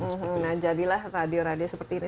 nah jadilah radio radio seperti itu